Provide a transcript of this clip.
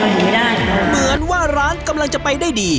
เราอยู่ไม่ได้เหมือนว่าร้านกำลังจะไปได้ดี